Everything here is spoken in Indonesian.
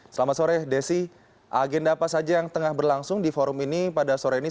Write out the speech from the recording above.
selamat sore desi agenda apa saja yang tengah berlangsung di forum ini pada sore ini